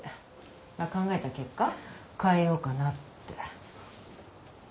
まあ考えた結果変えようかなって